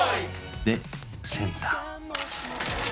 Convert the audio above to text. でセンター